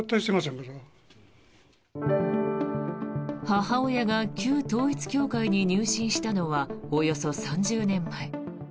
母親が旧統一教会に入信したのはおよそ３０年前。